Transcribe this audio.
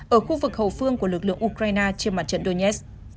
ở khu vực hậu phương của lực lượng ukraine trên mặt trận donets